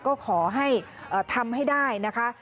ก็ขอให้ทำให้ได้นะคะ